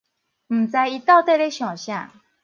毋知伊到底咧想啥